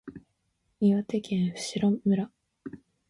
岩手県普代村